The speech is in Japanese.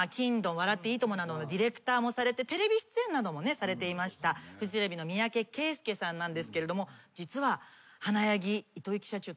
『笑っていいとも！』などのディレクターもされてテレビ出演などもされていましたフジテレビの三宅恵介さんですが実は。